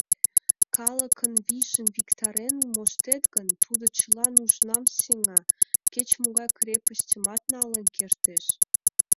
Калыкын вийжым виктарен моштет гын, тудо чыла нужнам сеҥа, кеч-могай крепостьымат налын кертеш.